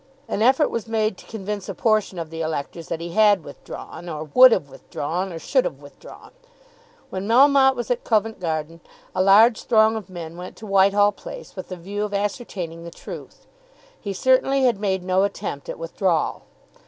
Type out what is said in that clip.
An effort was made to convince a portion of the electors that he had withdrawn, or would have withdrawn, or should have withdrawn. When Melmotte was at Covent Garden, a large throng of men went to Whitehall Place with the view of ascertaining the truth. He certainly had made no attempt at withdrawal.